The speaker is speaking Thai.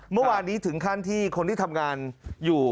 เมื่อวานนี้ถึงขั้นที่คนที่ทำงานอยู่